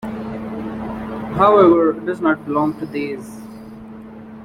However, does not belong to these.